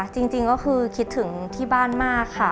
จริงก็คือคิดถึงที่บ้านมากค่ะ